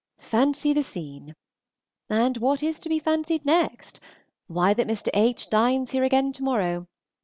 Fancy the scene! And what is to be fancied next? Why, that Mr. H. dines here again to morrow.